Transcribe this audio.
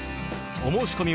お申し込みは